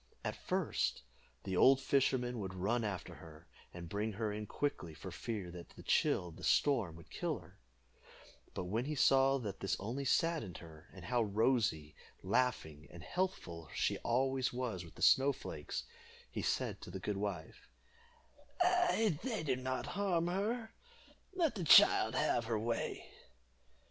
At first the old fisherman would run after her, and bring her in quickly, for fear that the chill of the storm would kill her; but when he saw that this only saddened her, and how rosy, laughing, and healthful she always was with the snow flakes, he said to the good wife "They do not harm her let the child have her way."